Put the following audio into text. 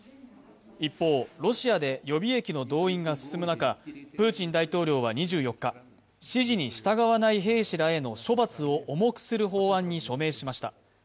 一方、ロシアで予備役の動員が進む中、プーチン大統領は２４日、指示に従わない兵士らの処罰を重くする法案に署名しました。